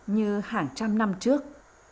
như hàng trăm năm trước